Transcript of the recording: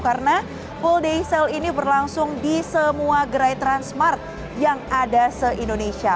karena full day sale ini berlangsung di semua gerai transmart yang ada se indonesia